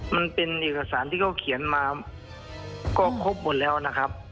มันเป็นเอกสารที่เขาเขียนมาก็ครบหมดแล้วนะครับ